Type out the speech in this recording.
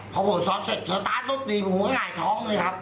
พอโบกรถสอบเสร็จสตาร์ทรถดีผมก็ง่ายท้องเลยครับ